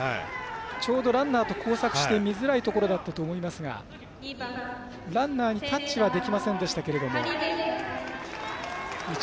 ちょうどランナーと交錯して見づらいところだったと思いますがランナーにタッチはできませんでしたけど。